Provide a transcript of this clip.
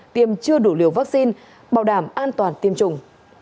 tiêm chưa đủ liều vaccine bảo đảm an toàn tiêm chủng